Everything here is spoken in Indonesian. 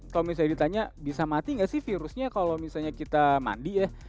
kalau misalnya ditanya bisa mati nggak sih virusnya kalau misalnya kita mandi ya